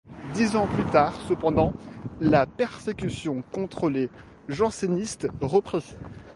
Dix ans plus tard, cependant, la persécution contre les jansénistes reprit.